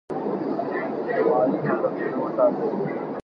مالي هدفونه وټاکئ.